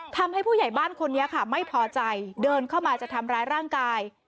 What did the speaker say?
ผู้ใหญ่บ้านคนนี้ค่ะไม่พอใจเดินเข้ามาจะทำร้ายร่างกาย